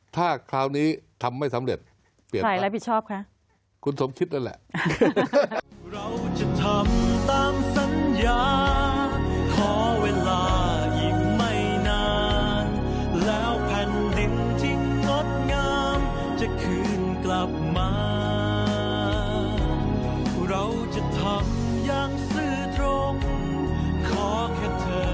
ถ้าคราวนี้ทำไม่สำเร็จเปลี่ยนใครรับผิดชอบคะคุณสมคิดนั่นแหละ